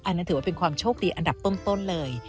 นั่นถือว่าเป็นความโชคดีอันดับต้นเลย